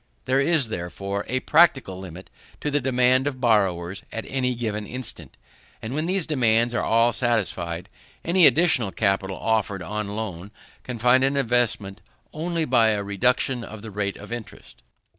There is, therefore, a practical limit to the demands of borrowers at any given instant; and when these demands are all satisfied, any additional capital offered on loan can find an investment only by a reduction of the rate of interest.